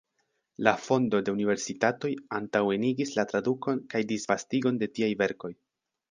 La fondo de universitatoj antaŭenigis la tradukon kaj disvastigon de tiaj verkoj.